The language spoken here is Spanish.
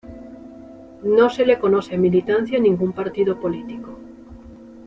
No se le conoce militancia en ningún partido político.